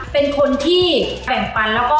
๓เป็นคนที่แบ่งปันและเรียนรู้อยู่ตลอดเวลานะฮะ